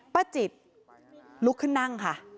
ป้าจิตลุกขึ้นนั่งค่ะ